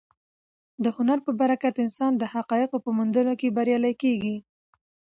د هنر په برکت انسان د حقایقو په موندلو کې بریالی کېږي.